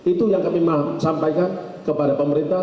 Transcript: itu yang kami sampaikan kepada pemerintah